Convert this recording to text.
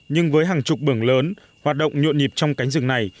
nhưng với hàng chục bường lớn hoạt động nhộn nhịp trong cánh rừng này